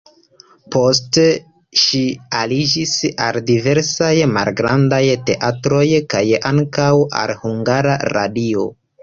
Poste ŝi aliĝis al diversaj malgrandaj teatroj kaj ankaŭ al Hungara Radio.